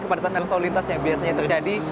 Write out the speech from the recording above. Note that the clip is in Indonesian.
kepada tanaman soal lintas yang biasanya terjadi